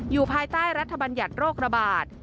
ภายใต้รัฐบัญญัติโรคระบาด